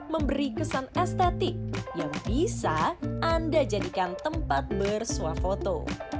memberi kesan estetik yang bisa anda jadikan tempat bersuah foto